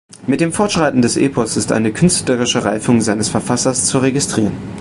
Mit dem Fortschreiten des Epos ist eine künstlerische Reifung seines Verfassers zu registrieren.